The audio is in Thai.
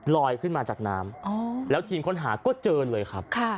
ขึ้นมาจากน้ำแล้วทีมค้นหาก็เจอเลยครับ